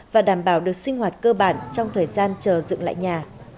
và đảm bảo được sinh hoạt cơ bản trong thời gian chờ dựng lại nhà